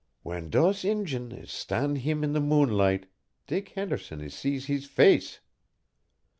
"W'en dose Injun is stan' heem in de moonlight, Dick Henderson is see hees face.